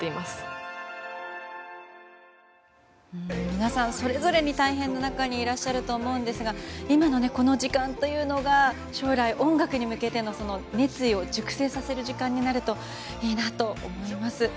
皆さん、それぞれが大変な中にいらっしゃると思うんですが今のこの時間というのが将来、音楽に向けての熱意を熟成させる時間になればいいなと思います。